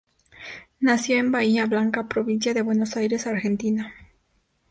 Nació en Bahía Blanca, provincia de Buenos Aires, Argentina.